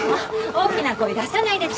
大きな声出さないでちょうだい。